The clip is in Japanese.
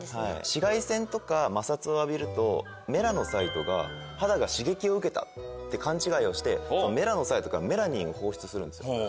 紫外線とか摩擦を浴びるとメラノサイトが肌が刺激を受けたって勘違いをしてメラノサイトがメラニンを放出するんですよ。